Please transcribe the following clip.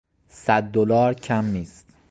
صد دلار کم نیست.